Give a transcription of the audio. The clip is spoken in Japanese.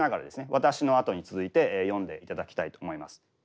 私のあとに続いて読んでいただきたいと思います。